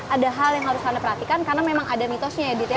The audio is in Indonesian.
ada hal yang harus anda perhatikan karena memang ada mitosnya ya gitu ya